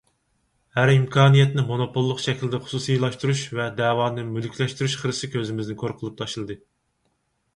ھەر ئىمكانىيەتنى مونوپوللۇق شەكلىدە خۇسۇسىيلاشتۇرۇش ۋە دەۋانى مۈلۈكلەشتۈرۈش خىرىسى كۆزىمىزنى كور قىلىپ تاشلىدى.